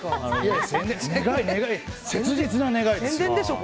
切実な願いですよ！